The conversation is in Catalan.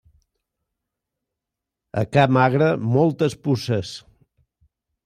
A ca magre, moltes puces.